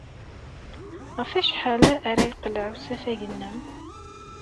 Ɣef wacḥal ara yeqleɛ usafag-nnem?